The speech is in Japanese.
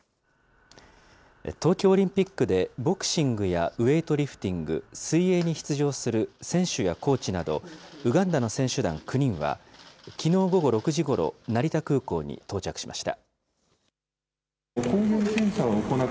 東京オリンピックでボクシングやウエイトリフティング、水泳に出場する選手やコーチなど、ウガンダの選手団９人は、きのう午後６時ごろ、成田空港に到着しました。